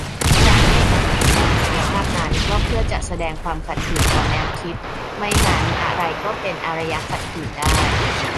การไม่ขัดขืนทางกายภาพนั้น ก็เพื่อจะแสดงความขัดขืนต่อแนวคิด - ไม่งั้นอะไรก็เป็น "อารยะขัดขืน" ได้